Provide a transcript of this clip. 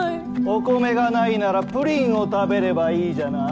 お米がないならプリンを食べればいいじゃない。